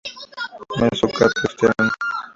Mesocarpio externo.